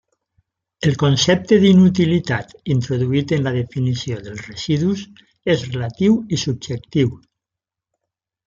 El concepte d'inutilitat introduït en la definició dels residus és relatiu i subjectiu.